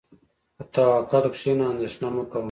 په توکل کښېنه، اندېښنه مه کوه.